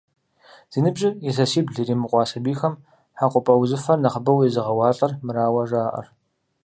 Зи ныбжьыр илъэсибл иримыкъуа сабийхэм хьэкъупӏэ узыфэр нэхъыбэу езыгъэуалӏэр мырауэ жаӏэр.